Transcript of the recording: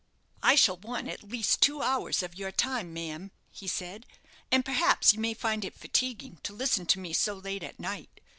"I shall want at least two hours of your time, ma'am," he said; "and, perhaps, you may find it fatiguing to listen to me so late at night.